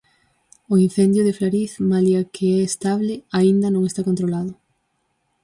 O incendio de Flariz, malia que estable, aínda non está controlado.